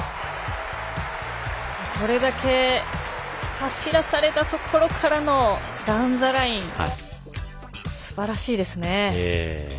これだけ走らされたところからのダウン・ザ・ラインすばらしいですね。